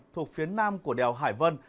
thuộc phía nam của đèo hải vân